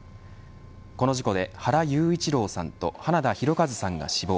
この事故で原裕一郎さんと花田大和さんが死亡。